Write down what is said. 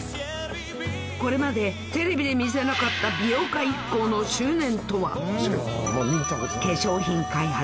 これまでテレビで見せなかった美容家ＩＫＫＯの執念とは？